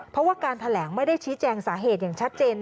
เพราะว่าการแถลงไม่ได้ชี้แจงสาเหตุอย่างชัดเจน